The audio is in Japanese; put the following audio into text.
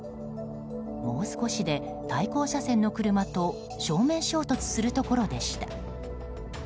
もう少しで対向車線の車と正面衝突するところでした。